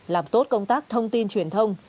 làm tốt công tác thông tin truyền thông